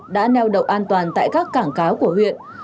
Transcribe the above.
đã neo đầu an toàn tại các cảng cáo của huyện